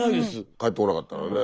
帰ってこなかったらね。